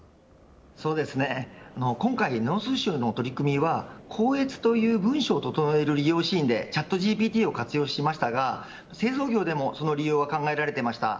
今回、農水省の取り組みは校閲という文章を整える利用シーンでチャットＧＰＴを活用しましたが製造業でもその利用は考えられていました。